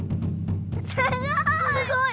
すごい！